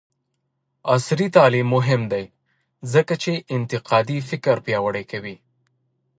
عصري تعلیم مهم دی ځکه چې انتقادي فکر پیاوړی کوي.